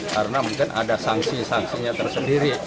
karena mungkin ada sanksi sanksinya tersendiri